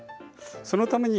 そのために。